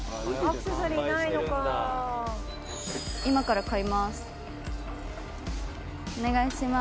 藤田：「今から買います」